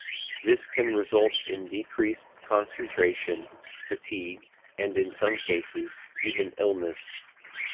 This can result in decreased concentration, fatigue, and in some cases, even illness.